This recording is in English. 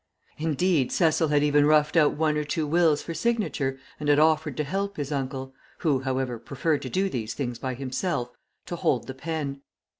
Indeed, Cecil had even roughed out one or two wills for signature, and had offered to help his uncle who, however, preferred to do these things by himself to hold the pen.